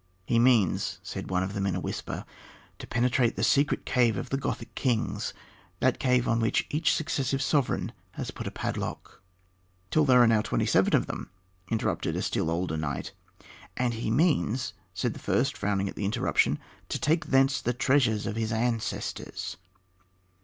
"He means," said one of them in a whisper, "to penetrate the secret cave of the Gothic kings, that cave on which each successive sovereign has put a padlock," "Till there are now twenty seven of them," interrupted a still older knight. "And he means," said the first, frowning at the interruption, "to take thence the treasures of his ancestors."